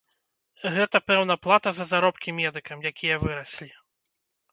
Гэта, пэўна, плата за заробкі медыкам, якія выраслі.